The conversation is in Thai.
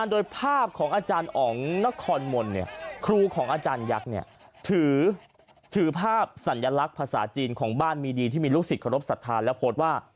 โดยภาพของอาจารย์อ๋องนครมนต์ครูของอาจารยักษ์ถือภาพสัญลักษณ์ภาษาจีนของบ้านมีดีที่มีลูกศิษย์เคารพสัทธาและโพสต์ว่า